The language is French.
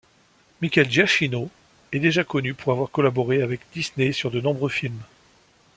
Michael Giacchino est déjà connu pour avoir collaboré avec Disney sur de nombreux films.